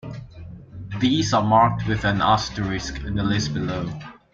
These are marked with an asterisk in the list below.